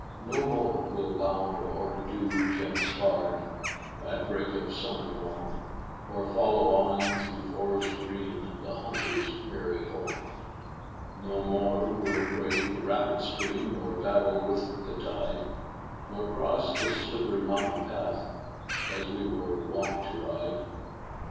No more we'll bound o'er dew gemmed sward At break of summer morn, Or follow on, through forests green, The hunter's merry horn; No more we'll brave the rapid stream, Nor battle with the tide, Nor cross the slipp'ry mountain path, As we were wont to ride.